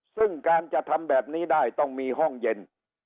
ซึ่งการจะทำแบบนี้ได้ต้องมีห้องเย็น